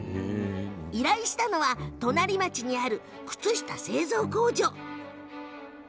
依頼したのは隣町にある、靴下製造工場。